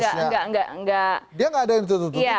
dia tidak ada yang ditutup tutupin